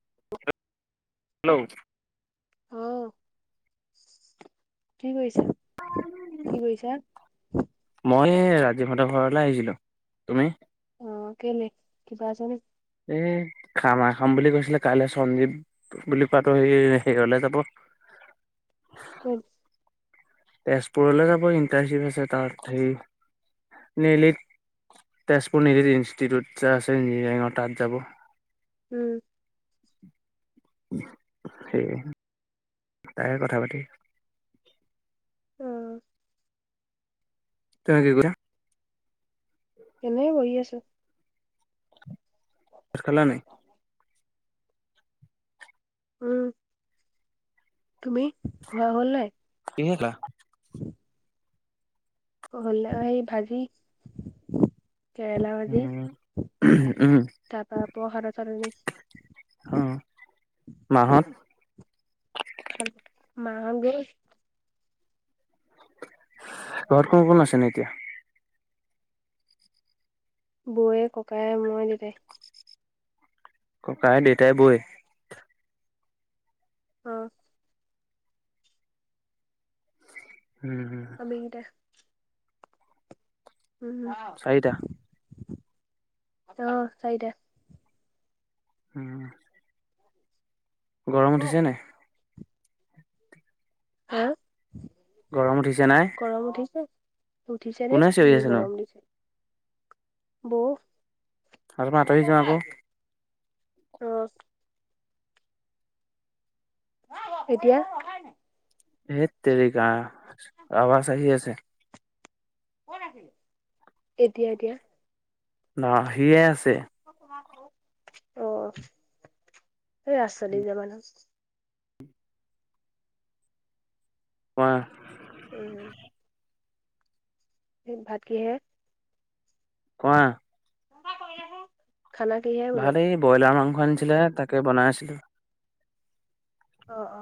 [inaudible] Hello অ কি কৰিছা কি কৰিছা? মই এই ৰাজীৱহঁতৰ ঘৰলৈ আহিছিলো তুমি। অ কেলে কিবা আছ ন খামা খাম বুলি কৈছিলে কাইলৈ সঞ্জীৱ বুলি কোৱাটো সেই হেৰিলে যাব [unintelligible] ক তেজপুৰলৈ যাব ইণ্টাৰ্ণশ্বিপ আছে তাত হে নেলিত তেজপুৰ নিৰি ইনষ্টিটিউট যে আছে ইঞ্জিনিয়াৰিঙৰ তাত যাব উম সেই তাই কথা পাতি [unintelligible] আহ তেনেকে গা [unintelligible] এনেই বহি আছো। ভাত খালা নাই উম তুমি খোৱা হ'ল নাই। কিহেলা [unintelligible] হলে এই ভাজি [unintelligible] কেৰেলা ভাজি উম উম তাৰ পৰা পহাৰ চাটনি [unintelligible] অ মাহত মঘ [unintelligible] ঘৰত কোন কোন আছে নো এতিয়া? বৌয়ে ককায়ে মই দেতাই [unintelligible] ককাই, দেতাই, বৌৱে [unintelligible] অ [unintelligible] উম আমি কেইটা উম অ চাৰিটা চাৰিটা [unintelligible] [inaudible] গৰম উঠিছে নে? [unintelligible] হা গৰম উঠিছে নাই? উঠিছেনে কোনে চিঞৰি যি আছেনো গৰম দিছে বৌ [unintelligible] আৰু আতৰি যোৱা আকৌ [unintelligible] অ এতিয়া [unintelligible] এইত তেৰিকা আৱাজ আহি আছে [unintelligible] [inaudible] এতিয়া-এতিয়া [unintelligible] আহিয়ে আছে [unintelligible] অ সেই ৰাস্তা দি যোৱা মানুহ [unintelligible] ৱাহ [unintelligible] উম ভাত কি হে কোৱা? [unintelligible] কৰিলে আছে [inaudible] ভালেই ব্ৰইলাৰ মাংস আনিছিলে তাকে বনাই আছিলো অ-অ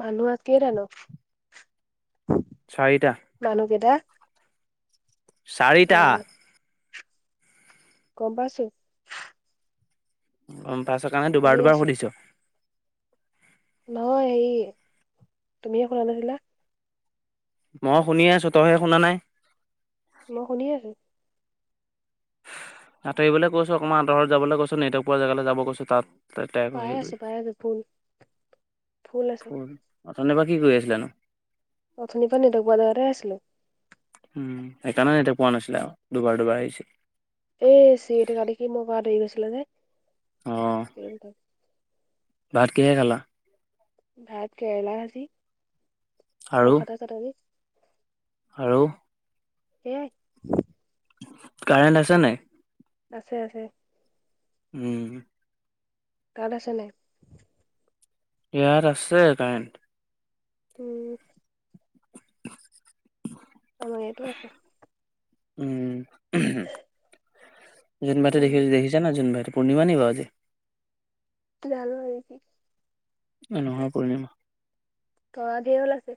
মানুহ আ কেইটা নো চাৰিটা মানুহকেইটা [unintelligible] চাৰিটা গম পাইছোঁ [unintelligible] গম পাইছা কাৰণে দুবাৰ-দুবাৰ আছো সুধিছ [unintelligible] নহয় হেৰি তুমিয়ে শুনা নাছিলা [unintelligible] মই শুনি আছো তইহে শুনা নাই [unintelligible] মই শুনি আছো আঁতৰিবলৈ কৈছো অকণমান আঁতৰৰত যাবলৈ কৈছো নেট পোৱা জেগালৈ যাব কৈছো তাত [unintelligible] ত ত পাই হৈ গ আছো পাই আছো ফুল ফুল আছে ফোন [unintelligible] অথনিৰ পৰা কি কৰি আছিলা নো? [unintelligible] অথনিৰ পৰা নেটক পোৱা জেগাতে আছিলোঁ। উম সেইকাৰণে এতিয়া পোৱা নাছিলে আৰু দুবাৰ-দুবাৰ আহিছিল এই চিঞৰি থকা দেখি মোৰ পৰা আঁতৰি গৈছিলে অ যে ভাত কিহে খালা? ভাত কেৰেলা ভাজি আৰু পখটা চাটনি আৰু সেয়াই কাৰেণ্ট আছে নাই আছে-আছে উম তাত আছে নাই ইয়াত আছে কাৰেন্ট উম [unintelligible] আমাৰ ইয়াতো আছে উম জোনবাইটো উম দেখিছা নাই জোনবাই পূৰ্ণিমা নি বাও আজি জানুৱাৰী নহয় পূৰ্ণিমা। তৰা ধেই ওলাইছে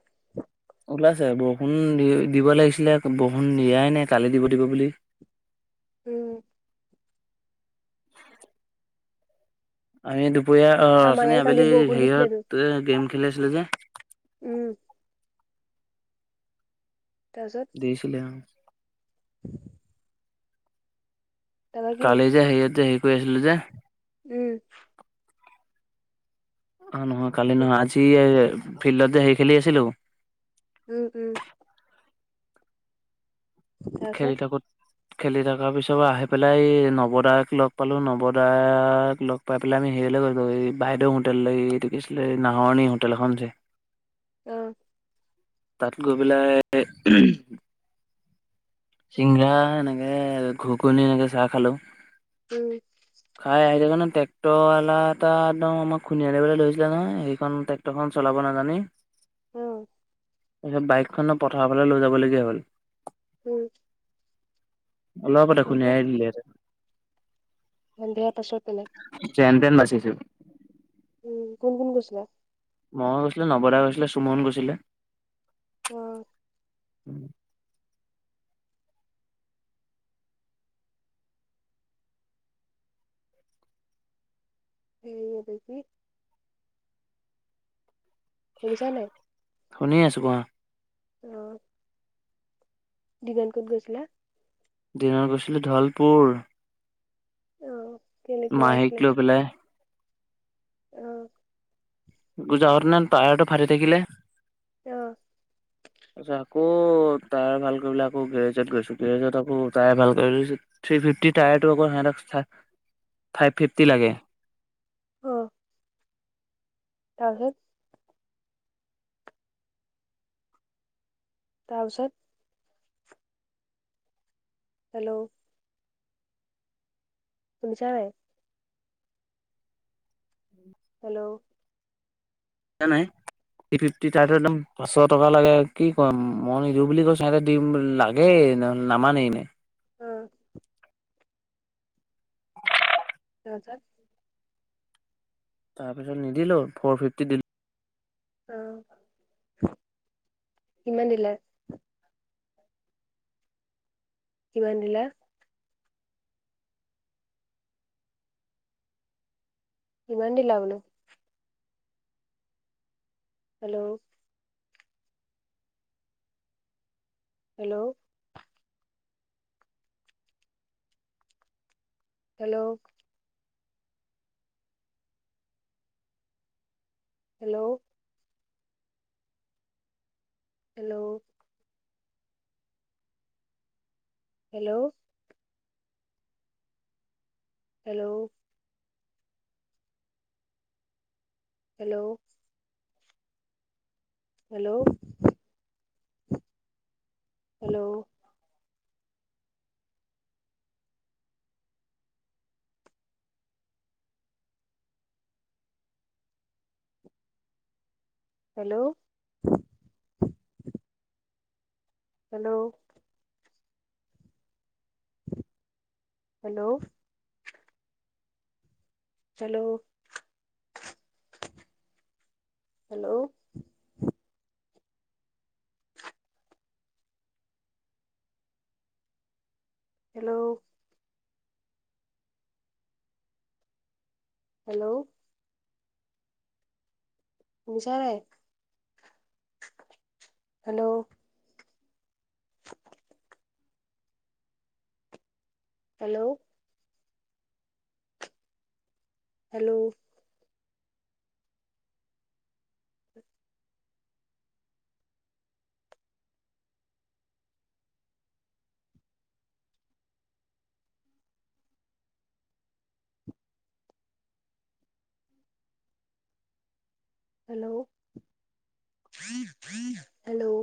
ওলাইছে বৰষুণ দি দিব লাগিছিলে বৰষুণ দিয়াই নাই কালি দিব দিব বুলি উম। আমি দুপৰীয়া আমাৰ অঠনী ইয়াত কালি আবেলি বৰষুণ দিছিলেতো হেৰিয়ত গেম খেলি আছিলো যে উম। তাৰপিছত দেখিছিলে অ [inaudible] তাৰপৰা কি কালি যে হেৰিয়ত যে হেৰি কৰি আছিলোঁ যে উম। অ নহয় কালি নহয় আজি ফিল্ডত হেৰি খেলি আছিলোঁ উম উম। খেলি তাৰপিছত থাকোত খেলি থকাৰ পিছৰ আহি পেলাই এই নৱদাক লগ পালো নৱদাক লগ পাই পেলাই আমি সেই এই বাইদেউ হোটেল একি আছিলে নাহৰণি হোটেল এখন আছে। অহ তাত গৈ পেলাই‌ আহ চিংগৰা এনেকে ঘুগোঁনি এনেকে চাহ খালোঁ। উম, সেই কাৰণে ট্ৰেক্টৰাল এটা একদম আমাক খুন্দিয়াব ধৰিছিলে নহয় সেইখন ট্ৰেক্টৰখন চলাব নাজানি উম। তাৰপিছত বাইকখনন পথাৰৰ ফালে লৈ যাবলগীয়া হ'ল উম। অলপতে তাৰপিছত খুন্দিয়াই দিলে হেঁতেন সন্ধিয়া পাছত তেনে- চিকেন বাছিছোঁ- উম কোন কোন গৈছিলা- মই গৈছিলোঁ নৱদা গৈছিলে চুমন গৈছিলে- অ', উম [inaudible] এই এইটো কি- শুনিছা নাই? শুনি আছোঁ কোৱা- অ- দিনত ক'ত গৈছিলা? দিনত গৈছিলো ঢলপুৰ অ কেলে কিবা মাহীক আছিলে? লৈ পেলাই অ পূজা ঘৰত সেইদিনা টায়াৰটো ফাটি থাকিলে অ ক'ত টায়াৰ ভাল কৰিবলে আকৌ গেৰেজত গৈছো গেৰেজত আকৌ টায়াৰ ভাল কৰি থ্ৰি ফিফটি টায়াৰটো আকৌ সিহঁতক ফা ফাইভ ফিফটি লাগে অ তাৰপিছত তাৰপিছত হেল্ল' শুনিছা নাই? হেল্ল' নাই থ্ৰি ফিফটি তাতো একদম পাঁচশ টকা লাগে কি কম মই নিদিওঁ বুলি কৈছোঁ সিহঁতে দিম লাগে নহ'লে নামানেই ইনে অ', ৰজত তাৰ পিছত নিদিলো ফৰ ফিফটি দিলো অহ কিমান দিলা কিমান দিলা? কিমান দিলা বোলো hello hello hello hello hello hello hello hello hello hello hello hello hello hello hello hello hello শুনিছা নাই hello hello hello hello hello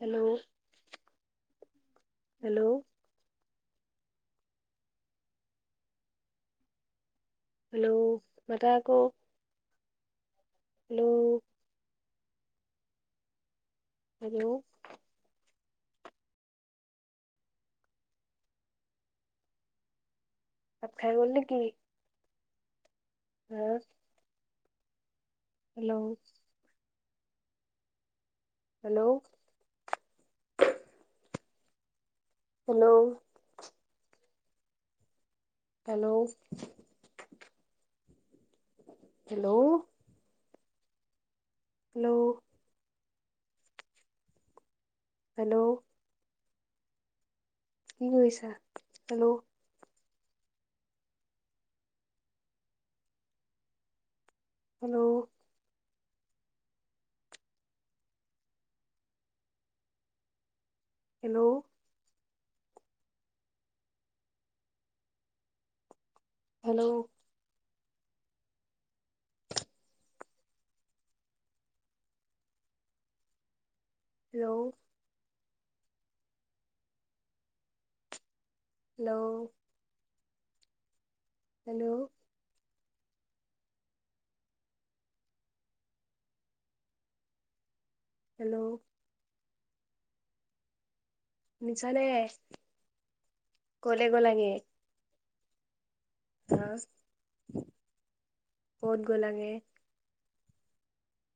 hello hello hello মাতা আক হেল্লৌ হেল্লৌ কাত খাই গ'ল নে কি? হা hello hello hello hello hello hello hello কি কৰিছা hello hello hello hello hello hello hello hello শুনিছা নে কলে গ'লাগে। আৰু ক'ত গ'লাগে।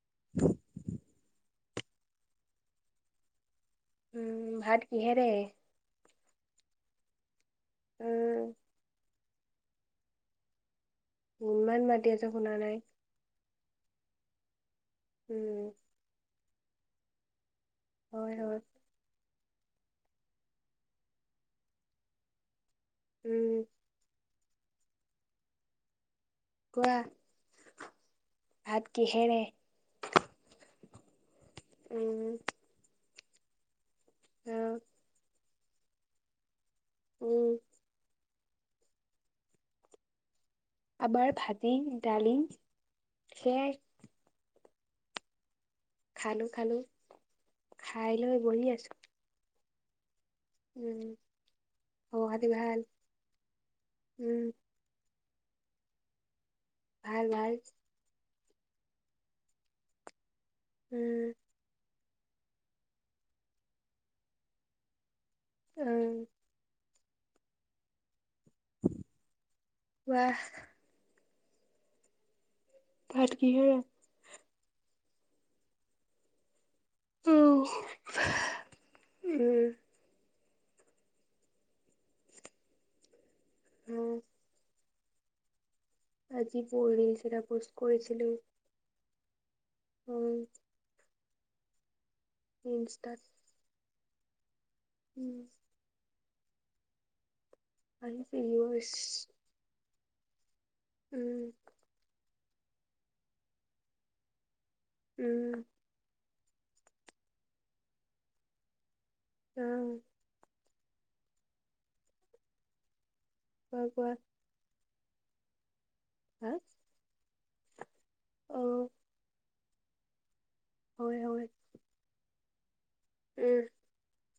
[unintelligible] উম ভাত কি হেৰে। উম ইমান মাতি আছোঁ শুনা নাই। উম হয় হয় উম কোৱা ভাত কিহেৰে উম। অ উম আমাৰ ভাজি দালি সেইয়াই খালো খালো খাই লৈ বহি আছো। উম খবৰ খাতি ভাল ওম। ভাল ভাল। উম উম ৱাহ ভাত কিহেৰে? অহ উম। ওম আজি ৰিলছ এটা পষ্ট কৰিছিলো। অ ইনষ্টাত উম আহিছে ভেইৱাৰচ উম উম উম কোৱা কোৱা। হা হয় হয়। উম